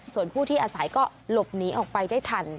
ส่วนผู้ที่อาศัยก็หลบหนีออกไปได้ทัน